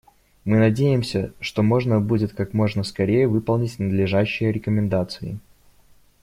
Мы надеемся, что можно будет как можно скорее выполнить надлежащие рекомендации.